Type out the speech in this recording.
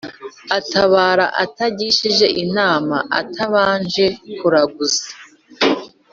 Atabara atagishije inama, atabanje kuraguza